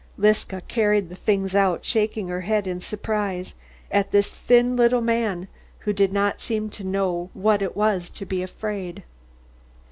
Liska carried the things out, shaking her head in surprise at this thin little man who did not seem to know what it was to be afraid.